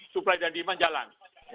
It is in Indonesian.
supply dan demand jalan